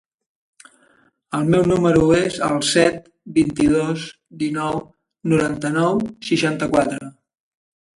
El meu número es el set, vint-i-dos, dinou, noranta-nou, seixanta-quatre.